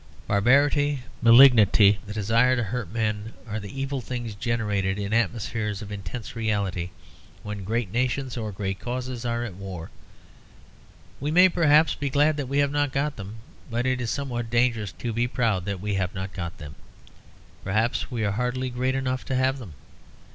Barbarity, malignity, the desire to hurt men, are the evil things generated in atmospheres of intense reality when great nations or great causes are at war. We may, perhaps, be glad that we have not got them: but it is somewhat dangerous to be proud that we have not got them. Perhaps we are hardly great enough to have them.